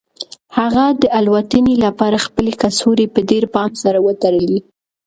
هغه د الوتنې لپاره خپلې کڅوړې په ډېر پام سره وتړلې.